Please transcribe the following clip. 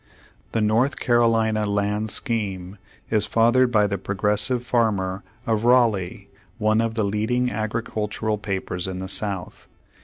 The North Carolina land scheme is fathered by the Progressive Farmer of Raleigh, one of the leading agricultural papers of the South.